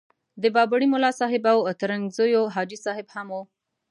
د بابړي ملاصاحب او ترنګزیو حاجي صاحب هم وو.